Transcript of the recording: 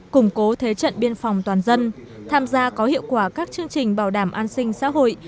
củng cố thế trận biên phòng toàn dân tham gia có hiệu quả các chương trình bảo đảm an sinh xã hội